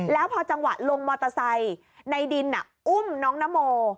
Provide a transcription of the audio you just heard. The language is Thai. แล้วพอจังหวะลงมอเตอร์ไซค์ในดินอุ้มน้องนโม